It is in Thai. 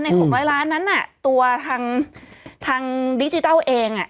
ใน๖๐๐ล้านนั้นน่ะตัวทางทางดิจิทัลเอง